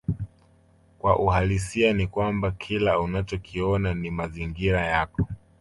Kwa uhalisia ni kwamba kila unachokiona ni mazingira yako